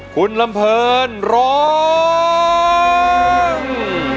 คุณลำเพลินร้อง